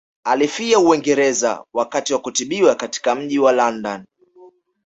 Alifia Uingereza wakati wa kutibiwa katika mji wa London